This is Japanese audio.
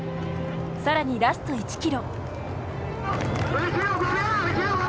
さらにラスト１ｋｍ。